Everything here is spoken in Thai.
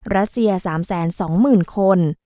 รัสเซีย๓๒๐๐๐คน